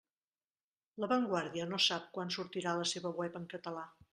La Vanguardia no sap quan sortirà la seva web en català.